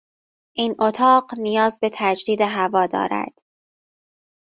این اتاق نیاز به تجدید هوا دارد.